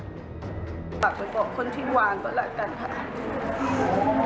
ฝากไปบอกคนที่วางก็แล้วกันค่ะ